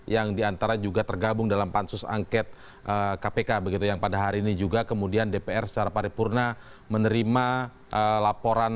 yang diantara juga tergabung dalam pansus angket kpk begitu yang pada hari ini juga kemudian dpr secara paripurna menerima laporan